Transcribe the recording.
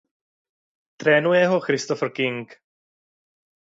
Trénuje ho Christopher King.